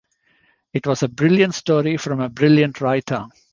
It was a brilliant story from a brilliant writer.